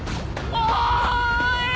おい！